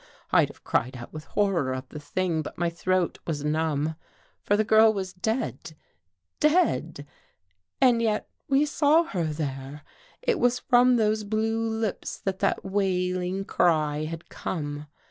I'd have cried out with horror of the thing, but my throat was numb. For the girl was dead! Dead! And yet we saw her there. It was from those blue lips that that wailing cry had come.